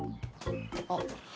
あっ。